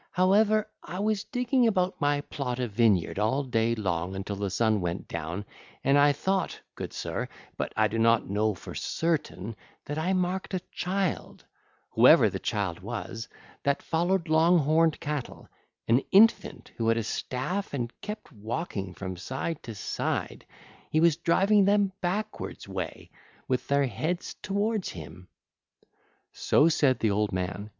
However, I was digging about my plot of vineyard all day long until the sun went down, and I thought, good sir, but I do not know for certain, that I marked a child, whoever the child was, that followed long horned cattle—an infant who had a staff and kept walking from side to side: he was driving them backwards way, with their heads toward him.' (ll. 212 218) So said the old man.